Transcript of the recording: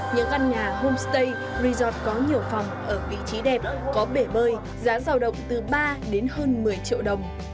những căn nhà homestay resort có nhiều phòng ở vị trí đẹp có bể bơi giá giàu động từ ba đến hơn một mươi triệu đồng